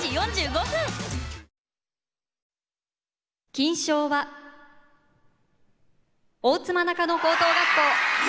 ・金賞は大妻中野高等学校！